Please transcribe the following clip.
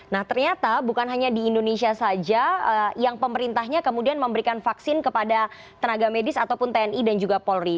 nah ternyata bukan hanya di indonesia saja yang pemerintahnya kemudian memberikan vaksin kepada tenaga medis ataupun tni dan juga polri